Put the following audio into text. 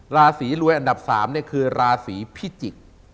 ลาสีรวยอันดับ๓คือลาสีพิจิก